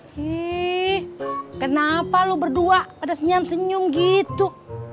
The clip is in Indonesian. hiih kenapa lu berdua ada senyam senyum gitu